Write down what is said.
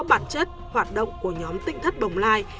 bản chất hoạt động của nhóm tinh thất bồng lai